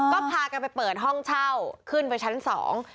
ก็พากันไปเปิดห้องเช่าขึ้นไปชั้นสอง